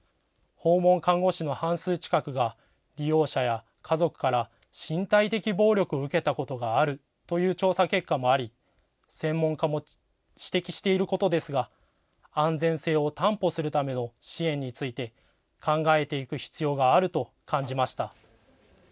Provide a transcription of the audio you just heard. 訪問看護師の半数近くが利用者や家族から身体的暴力を受けたことがあるという調査結果もあり、専門家も指摘していることですが安全性を担保するための支援について考えていく必要があると感じました。